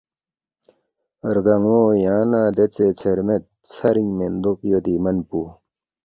رگانو یانگ نہ دیژے ژھیر مید ژھرینگ میندوق یودی من پو